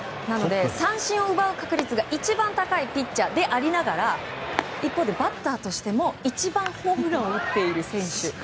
三振を奪う確率が一番高いピッチャーでありながら一方でバッターとして、一番ホームランを打っている選手。